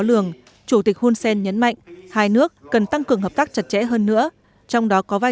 lường chủ tịch hunsen nhấn mạnh hai nước cần tăng cường hợp tác chặt chẽ hơn nữa trong đó có vai